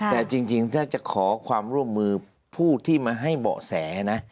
แต่จริงถ้าจะขอความร่วมมือผู้ที่มาให้เบาะแสนะ